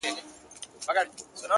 o نغرى پر درو پښو درېږي!